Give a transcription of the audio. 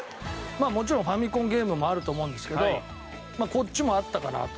もちろんファミコンゲームもあると思うんですけどこっちもあったかなと。